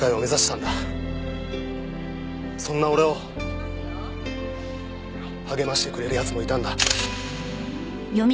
そんな俺を励ましてくれる奴もいたんだ。